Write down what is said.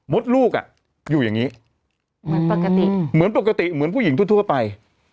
บทลูกอ่ะอยู่อย่างนี้เหมือนปกติเหมือนผู้หญิงทั่วไป